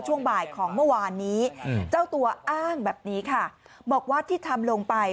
ช่วงบ่ายของเมื่อวานนี้เจ้าตัวอ้างแบบนี้ค่ะบอกว่าที่ทำลงไป